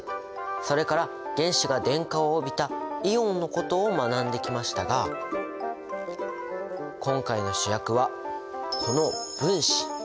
それから原子が電荷を帯びたイオンのことを学んできましたが今回の主役はこの分子。